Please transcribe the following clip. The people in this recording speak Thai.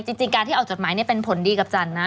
จริงการที่ออกจดหมายเป็นผลดีกับจันทร์นะ